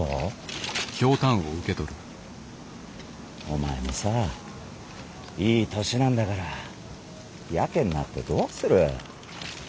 お前もさいい年なんだからやけになってどうする。